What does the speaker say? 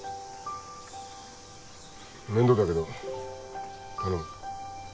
面倒だけど頼む。